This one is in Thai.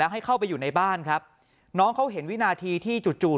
ให้เข้าไปอยู่ในบ้านครับน้องเขาเห็นวินาทีที่จู่จู่